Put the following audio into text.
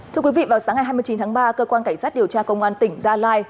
thưa quý vị vào sáng ngày hai mươi chín tháng ba cơ quan cảnh sát điều tra công an tỉnh gia lai